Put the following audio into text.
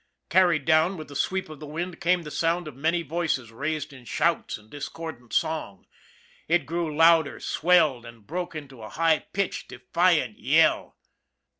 Carried down with the sweep of the wind came the sound of many voices raised in shouts and discordant song. It grew louder, swelled, and broke into a high pitched, defiant yell.